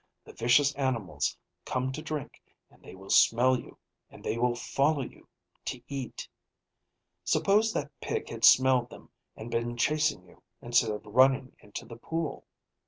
The vicious animals come to drink and they will smell you, and they will follow you, to eat. Suppose that pig had smelled them and been chasing you, instead of running into the pool?